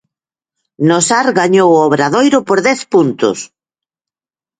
No Sar gañou o Obradoiro por dez puntos.